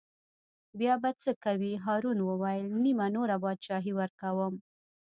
بیا به څه کوې هارون وویل: نیمه نوره بادشاهي ورکووم.